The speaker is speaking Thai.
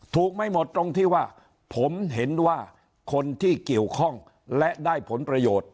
ไม่หมดตรงที่ว่าผมเห็นว่าคนที่เกี่ยวข้องและได้ผลประโยชน์